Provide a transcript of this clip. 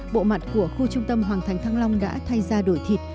bộ mặt của khu trung tâm hoàng thành thăng long đã thay ra đổi thịt